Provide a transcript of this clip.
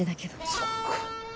そっか。